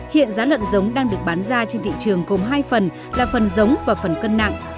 hiện giá lợn giống đang được bán ra trên thị trường cùng hai phần là phần giống và phần cân nặng